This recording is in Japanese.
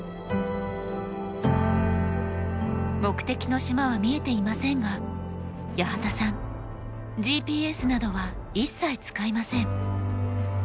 目的の島は見えていませんが八幡さんＧＰＳなどは一切使いません。